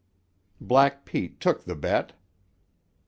Black Pete took the bet.